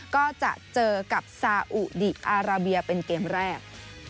ก็จะเจอกับซาอุดีอาราเบียเป็นเกมแรก